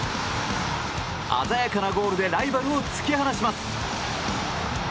鮮やかなゴールでライバルを突き放します。